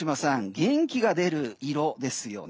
元気が出る色ですよね。